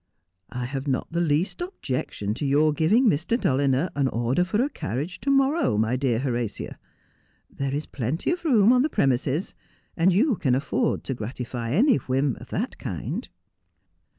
' I have not the least objection to your giving Mr. Dulliner an order for a carriage to morrow, my dear Horatia. There is plenty of room on the premises, and you can atford to gratify any whim of that kind.'